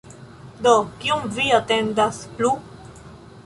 Do, kion vi atendas plu?